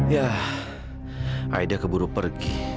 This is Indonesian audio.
yah aida keburu pergi